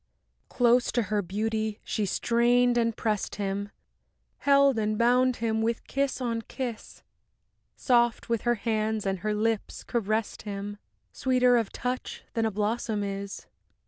V Close to her beauty she strained and pressed him, Held and bound him with kiss on kiss; Soft with her hands and her lips caressed him, Sweeter of touch than a blossom is.